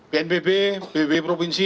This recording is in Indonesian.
bnpb bwb provinsi